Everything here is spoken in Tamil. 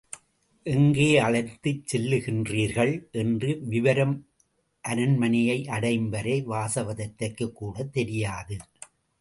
எங்கே அழைத்துச் செல்லுகின்றார்கள்? என்ற விவரம் அரண்மனையை அடையும்வரை வாசவதத்தைக்குக்கூடத் தெரியாது.